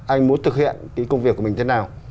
anh muốn thực hiện cái công việc của mình thế nào